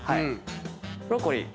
ブロッコリー。